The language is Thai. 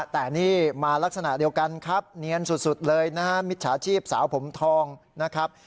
แต่นี่มาลักษณะเดียวกันครับเนียนสุดเลยนะฮะมิจฉาชีพสาวผมทองนะครับ